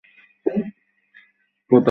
এরপর আমরা এলাকা ঘিরে ফেলবো, ঠিক আছে ঠিক আছে।